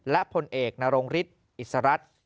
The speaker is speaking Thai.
และพลเอกนรงฤทธิ์อิสรัตน์